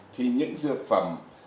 thì những dược phẩm